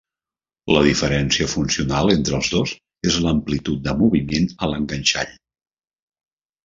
La diferència funcional entre els dos és l'amplitud de moviment a l'enganxall.